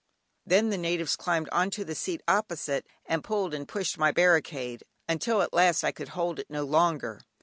Then the natives climbed on to the seat opposite, and pulled and pushed my barricade, until at last I could hold it no longer.